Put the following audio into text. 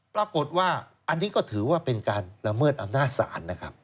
ปรากฏว่าอันนี้ก็ถือว่าเป็นการละเมิดอำนาจศาลนะครับ